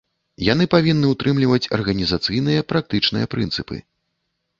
Яны павінны ўтрымліваць арганізацыйныя, практычныя прынцыпы.